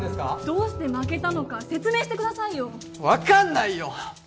どうして負けたのか説明してくださいよ分かんないよ！